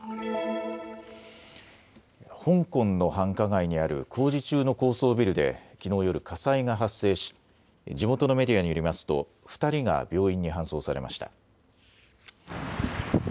香港の繁華街にある工事中の高層ビルできのう夜、火災が発生し地元のメディアによりますと２人が病院に搬送されました。